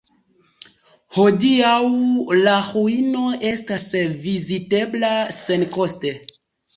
Hodiaŭ la ruino estas vizitebla senkoste.